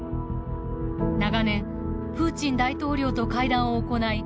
長年プーチン大統領と会談を行い